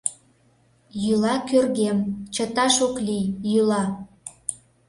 Йӱла кӧргем, чыташ ок лий, йӱла!